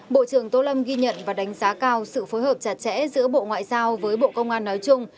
bộ trưởng tô lâm ghi nhận và đánh giá cao sự phối hợp chặt chẽ giữa bộ ngoại giao với bộ công an nói chung